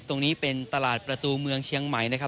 ตรงนี้เป็นตลาดประตูเมืองเชียงใหม่นะครับ